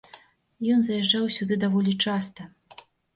Ён заязджаў сюды даволі часта.